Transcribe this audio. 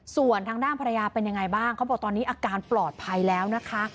ส่วนทางด้านภรรยาเป็นยังไงบ้างเขาบอกตอนนี้อาการปลอดภัยแล้วนะคะ